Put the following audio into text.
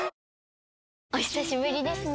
お久しぶりですね。